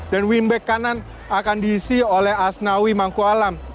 dan wingback kanan akan diisi oleh asnawi mangko alam